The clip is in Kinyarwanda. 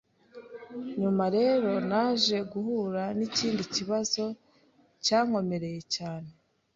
Nyuma rero naje guhura n’ikindi kibazo cyankomereye cyane………….